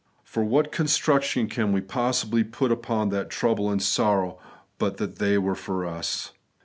For what construction can we possibly put upon that trouble and sorrow, but that they were for us